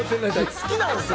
好きなんですね？